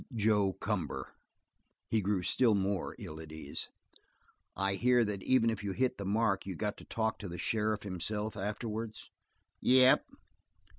"Joe Cumber." He grew still more ill at ease. "I hear that even if you hit the mark you got to talk to the sheriff himself afterwards?" "Yep."